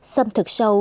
xâm thực sâu đất